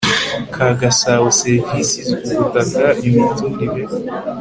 KA GASABO SERIVISI UBUTAKA IMITURIRE